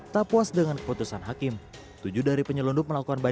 tak puas dengan keputusan hakim tujuh dari penyelundup melakukan